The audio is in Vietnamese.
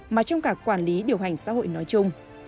mà trong cả quản lý điều hành xã hội nói chung